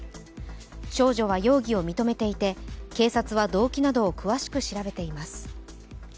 少女は容疑を認めていて、警察は動機などを詳しく調べています。